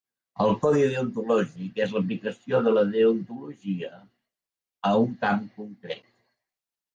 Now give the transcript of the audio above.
El codi deontològic és l'aplicació de la deontologia a un camp concret.